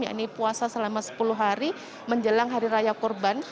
yakni puasa selama sepuluh hari menjelang hari raya kurban